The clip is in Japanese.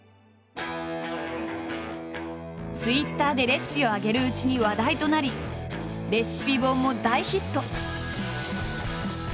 ツイッターでレシピを上げるうちに話題となりレシピ本も大ヒット！